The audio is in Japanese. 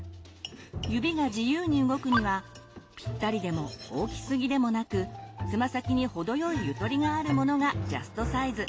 指が自由に動くにはぴったりでも大きすぎでもなくつま先に程よいゆとりがあるものがジャストサイズ。